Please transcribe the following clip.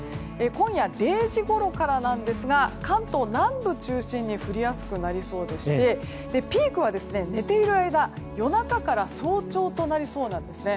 今夜０時ごろからなんですが関東南部を中心に降りやすくなりそうでしてピークは寝ている間夜中から早朝となりそうなんです。